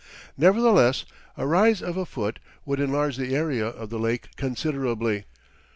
Nevertheless a rise of a foot would enlarge the area of the lake considerably.